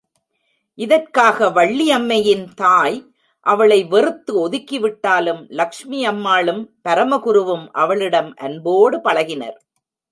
இதற்காக வள்ளியம்மையின் தாய் அவளை வெறுத்து ஒதுக்கி விட்டாலும் லட்சுமி அம்மாளும், பரமகுருவும் அவளிடம் அன்போடு பழகினர்.